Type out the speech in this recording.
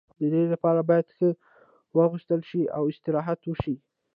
د دې لپاره باید ښه واغوستل شي او استراحت وشي.